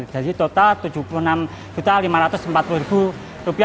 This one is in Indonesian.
jadi total rp tujuh puluh enam lima ratus empat puluh